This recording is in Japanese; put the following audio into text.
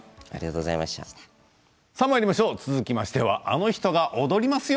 続きましてはあの人が踊りますよ。